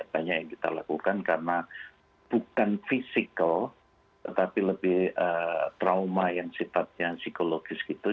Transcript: banyak yang kita lakukan karena bukan fisikal tetapi lebih trauma yang sifatnya psikologis gitu